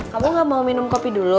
kamu gak mau minum kopi dulu